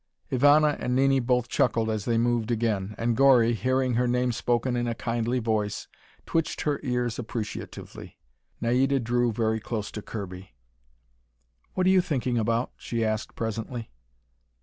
Ivana and Nini both chuckled as they moved again, and Gori, hearing her name spoken in a kindly voice, twitched her ears appreciatively. Naida drew very close to Kirby. "What are you thinking about?" she asked presently.